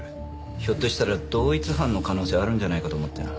ひょっとしたら同一犯の可能性あるんじゃないかと思ってな。